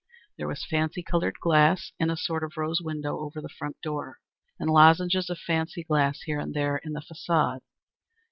There was fancy colored glass in a sort of rose window over the front door, and lozenges of fancy glass here and there in the facade.